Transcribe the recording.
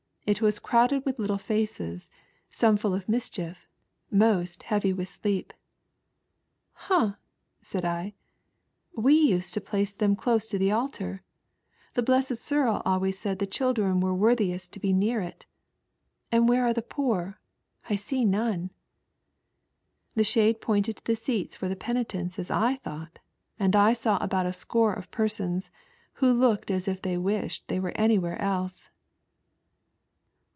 It waa crowded with little faces, some full of mischief, moat, heavy with sleep. " Humph !" said I, "tee used to place them close to the altar. The Blessed Cyril always said the childi^en were worthiest to be near it. And where are the poor ? I see none." The shade pointed to the seats for the penitents as / thought, and I saw about a score of persons who looked as if they wished they were anywhere else.